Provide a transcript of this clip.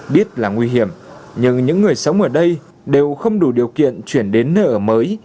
biết là nguy hiểm nhưng những người sống ở đây đều không đủ điều kiện chuyển đến nơi ở mới